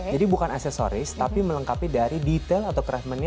jadi bukan aksesoris tapi melengkapi dari detail atau kremennya